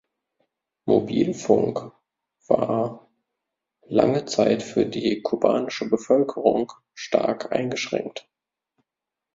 Mobilfunk war lange Zeit für die kubanische Bevölkerung stark eingeschränkt.